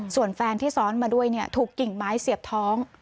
ส่วนแฟนที่ซ้อนมาด้วยถูกกิ่งไม้เสียบท้อง